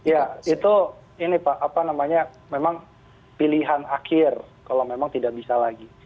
ya itu ini pak apa namanya memang pilihan akhir kalau memang tidak bisa lagi